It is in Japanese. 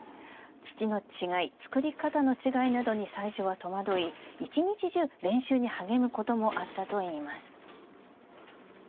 土の違い、作り方の違いなどに最初は戸惑い１日中、練習に励むこともあったといいます。